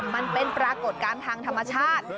มันเป็นปรากฏการณ์ทางธรรมชาติ